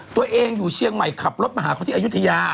ตัวเองอยู่เชียงใหม่ขับรถมาหาเขาที่อายุทยา